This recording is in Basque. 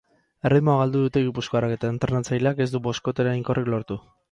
Erritmoa galdu dute gipuzkoarrek eta entrenatzaileak ez du boskote eraginkorrik lortu.